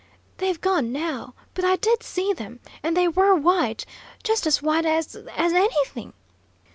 "They've gone now, but I did see them, and they were white, just as white as as anything!"